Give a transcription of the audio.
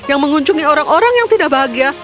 yang mengunjungi orang orang yang tidak bahagia